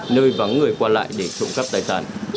nơi vắng người qua lại để trộm cắp tài sản